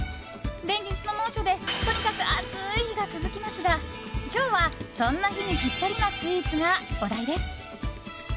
連日の猛暑でとにかく暑い日が続きますが今日は、そんな日にぴったりのスイーツがお題です。